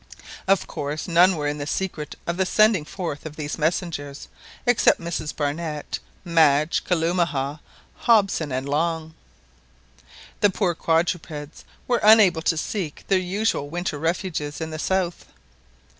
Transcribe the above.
Of course none were in the secret of the sending forth of these messengers, except Mrs Barnett, Madge, Kalumah, Hobson, and Long. The poor quadrupeds were unable to seek their usual winter refuges in the south.